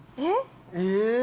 えっ？